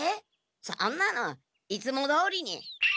そんなのいつもどおりに。